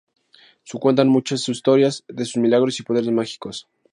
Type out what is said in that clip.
Se cuentan muchas historias de sus milagros y poderes mágicos.